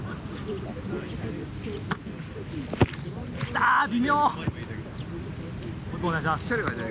あ微妙。